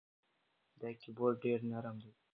دا کیبورد ډېر نرم دی.